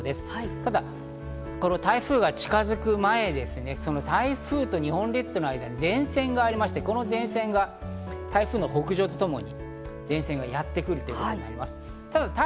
ただ、この台風が近づく前、台風と日本列島の間に前線がありまして、この前線が台風の北上とともに前線がやってくるということになります。